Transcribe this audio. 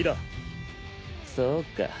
そうか。